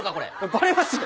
バレますよ。